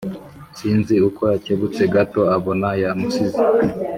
Sinzi uko yakebutse gato abona yamusize